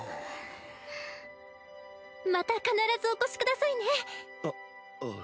また必ずお越しくださいねあああ